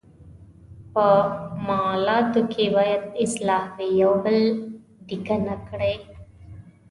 په معالاتو کې باید اخلاص وي، یو بل ډیکه نه کړي.